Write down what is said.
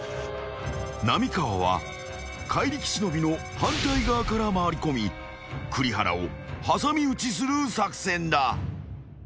［浪川は怪力忍の反対側から回り込み栗原を挟み撃ちする作戦だ］